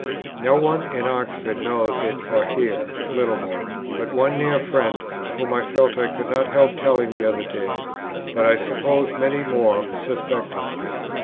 No one in Oxford knows it or here" [Littlemore], "but one near friend whom I felt I could not help telling the other day. But, I suppose, many more suspect it."